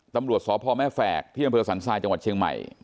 ตำรวจสพแม่แฝกที่อำเภอสันทรายจังหวัดเชียงใหม่